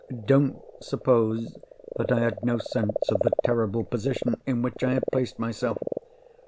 Don't suppose that I had no sense of the terrible position in which I had placed myself!